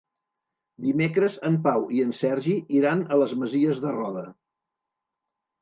Dimecres en Pau i en Sergi iran a les Masies de Roda.